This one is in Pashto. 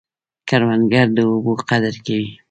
کروندګر د اوبو قدر کوي